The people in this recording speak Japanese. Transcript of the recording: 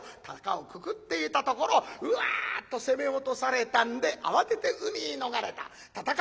たかをくくっていたところ「うわ！」と攻め落とされたんで慌てて海に逃れた。